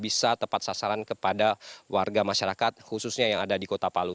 bisa tepat sasaran kepada warga masyarakat khususnya yang ada di kota palu